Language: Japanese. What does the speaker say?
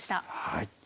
はい。